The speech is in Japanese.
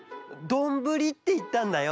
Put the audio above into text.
「どんぶり」っていったんだよ。